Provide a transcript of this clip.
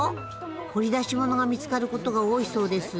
掘り出し物が見つかる事が多いそうです。